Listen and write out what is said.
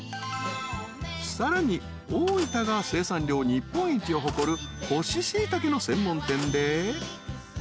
［さらに大分が生産量日本一を誇る干ししいたけの専門店で］